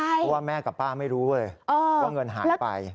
เพราะว่าแม่กับป้าไม่รู้เลยว่าเงินหายไป